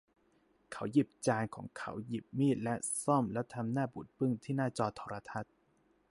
เขาหยิบจานของเขาหยิบมีดและส้อมแล้วทำหน้าบูดบึ้งที่หน้าจอโทรทัศน์